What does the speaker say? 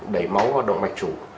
đẩy máu vào động vệ chủ